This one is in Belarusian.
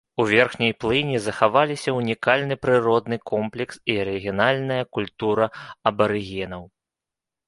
У верхняй плыні захаваліся ўнікальны прыродны комплекс і арыгінальная культура абарыгенаў.